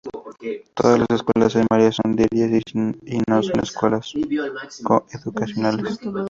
Todas las escuelas primarias son diarias y no son escuelas co-educacionales.